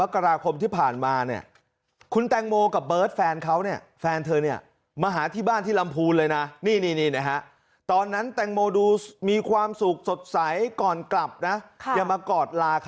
ก็เลยไม่รู้ว่าสิ่งที่เขาแสดงออกมามันจริงใจ